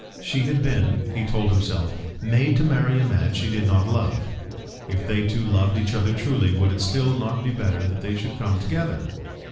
She had been, he told himself, made to marry a man she did not love. If they two loved each other truly, would it not still be better that they should come together?